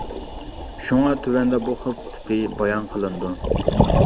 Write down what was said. شۇڭا تۆۋەندە بۇ خىل تىپى بايان قىلىنىدۇ.